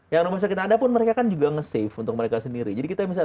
yang rumah sakit yang ada pun mereka kan juga nge save untuk mereka sendiri jadi kita misalnya